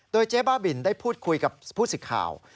โดยเจ๊บ้าบินได้พูดคุยกับผู้สิทธิ์ข่าว